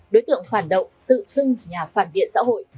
đối tượng phản động tự xưng nhà phản biện xã hội